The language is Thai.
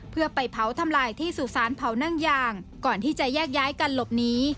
เพื่อไปเผาทำลายที่สุสานเผานั่งยางก่อนที่จะแยกย้ายกันหลบหนี